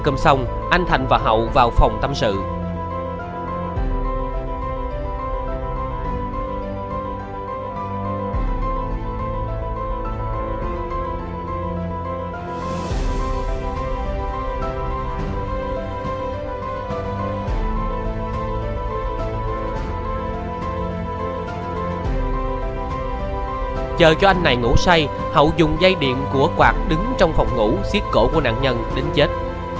chờ cho anh này ngủ say hậu dùng dây điện của quạt đứng trong phòng ngủ siết cổ của nạn nhân đến chết